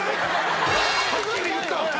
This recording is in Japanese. はっきり言った！